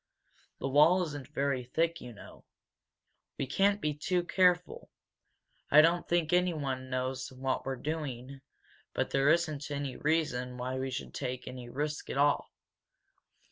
The wall isn't very thick, you know. We can't be too careful. I don't think anyone knows what we're doing but there isn't any reason why we should take any risk at all."